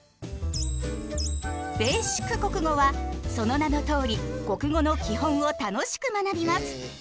「ベーシック国語」はその名のとおり国語の基本を楽しく学びます。